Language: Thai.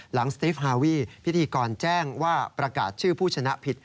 หลังสติฟฮาวีพิธีกรแจ้งว่าประกาศชื่อผู้ชนะผิด